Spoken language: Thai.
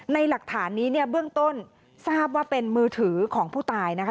หลักฐานนี้เนี่ยเบื้องต้นทราบว่าเป็นมือถือของผู้ตายนะคะ